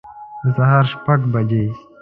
د سهار شپږ بجي